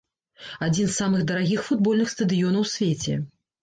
Адзін з самых дарагіх футбольных стадыёнаў у свеце.